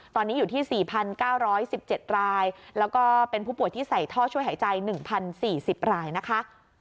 ตอนนี้อยู่ที่สี่พันเก้าร้อยสิบเจ็ดรายแล้วก็เป็นผู้ป่วยที่ใส่ท่อช่วยหายใจหนึ่งพันสี่สิบรายนะคะ